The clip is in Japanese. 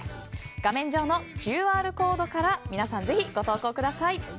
画面上のＱＲコードから皆さん、ぜひご投稿ください。